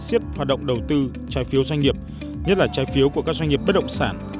siết hoạt động đầu tư trái phiếu doanh nghiệp nhất là trái phiếu của các doanh nghiệp bất động sản